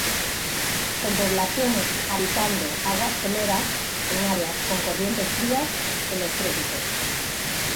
Con poblaciones habitando aguas someras, en áreas con corrientes frías, en los trópicos.